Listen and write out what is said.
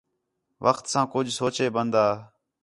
وخت ساں کُج سوچے بندہ